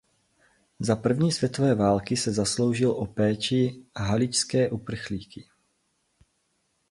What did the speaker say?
Za první světové války se zasloužil o péči o haličské uprchlíky.